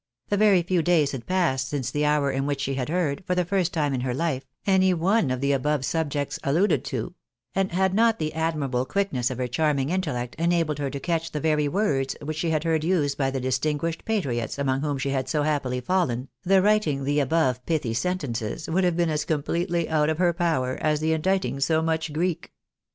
A very few days had passed since the hour in which she had heard, for the first time in her life, any one of the above subjects alluded to ; and had not the admirable quickness of her charming intellect enabled her to catch the very words which she had heard used by the distinguished patriots among whom she had so happily fallen, the writing the above pithy sentences would have been as completely out of her power as the inditing so much Greek.